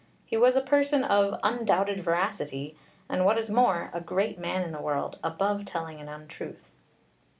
He was a person of 'undoubted veracity,' and what is more, 'a great man in the world above telling an untruth.'